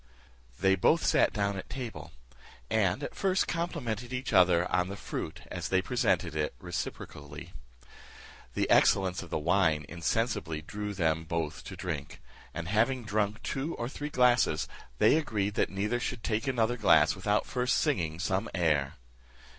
They both sat down at table, and at first complimented each other on the fruit as they presented it reciprocally. The excellence of the wine insensibly drew them both to drink; and having drunk two or three glasses, they agreed that neither should take another glass without first singing some air.